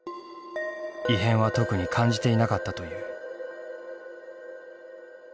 異変は特に感じていなかったという。